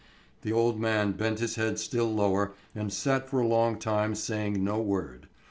The old man bent his head still lower and sat for a long time saying no word.